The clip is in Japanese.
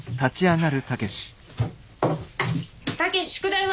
武志宿題は？